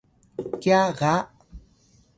kiya’ ga